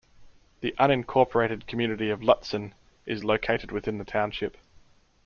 The unincorporated community of Lutsen is located within the township.